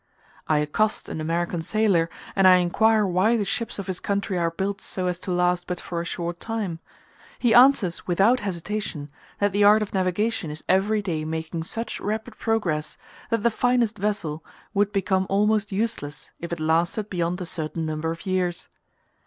I accost an American sailor, and I inquire why the ships of his country are built so as to last but for a short time; he answers without hesitation that the art of navigation is every day making such rapid progress, that the finest vessel would become almost useless if it lasted beyond a certain number of years.